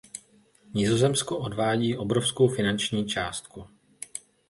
Nizozemsko odvádí obrovskou finanční částku.